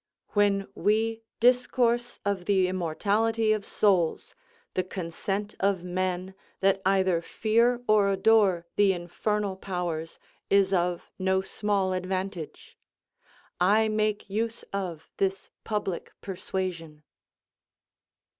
_ "When we discourse of the immortality of souls, the consent of men that either fear or adore the infernal powers, is of no small advantage. I make use of this public persuasion."